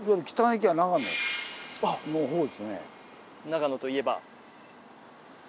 長野といえば。